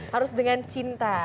harus dengan cinta